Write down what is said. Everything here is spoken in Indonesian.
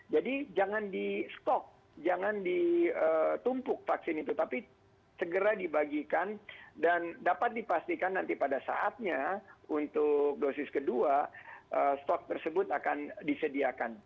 jadi jangan di stok jangan ditumpuk vaksin itu tapi segera dibagikan dan dapat dipastikan nanti pada saatnya untuk dosis kedua stok tersebut akan disediakan